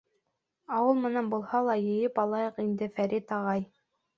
— Ауыл менән булһа ла йыйып алайыҡ инде, Фәрит ағай.